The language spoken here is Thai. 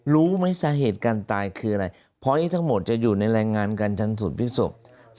รู้ไหมสาเหตุการณ์ตายคืออะไรพอที่ทั้งหมดจะอยู่ในแหลงงานการชันสุดภิกษบ